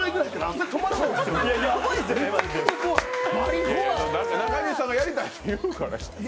だって中西さんがやりたいって言うから。